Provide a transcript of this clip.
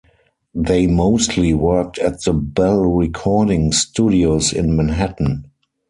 They mostly worked at the Bell recording studios in Manhattan.